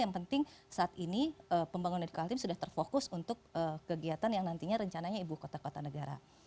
yang penting saat ini pembangunan di kaltim sudah terfokus untuk kegiatan yang nantinya rencananya ibu kota kota negara